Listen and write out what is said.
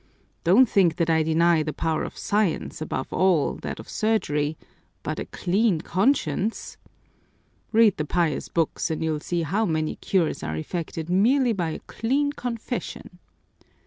Don't think that I deny the power of science, above all, that of surgery, but a clean conscience! Read the pious books and you'll see how many cures are effected merely by a clean confession."